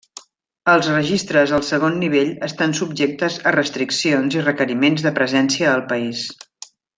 Els registres al segon nivell estan subjectes a restriccions i requeriments de presència al país.